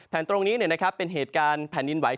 ตรงนี้เป็นเหตุการณ์แผ่นดินไหว